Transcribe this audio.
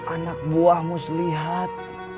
anak buah mus lihat